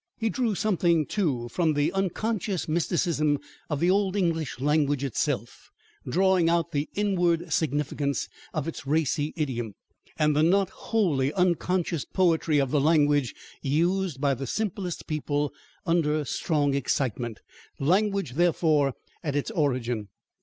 * He drew something too from the unconscious mysticism of the old English language itself, drawing out the inward significance of its racy idiom, and the not wholly unconscious poetry of the language used by the simplest people under strong excitement language, therefore, at its origin.